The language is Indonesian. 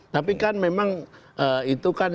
tapi kan memang itu kan